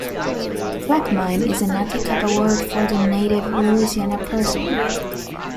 "Plaquemine" is an Atakapa word for the native Louisiana persimmon.